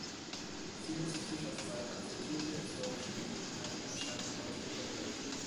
Viele zu Fischers Zeit akzeptierte historische Gegebenheiten erscheinen heute überholt.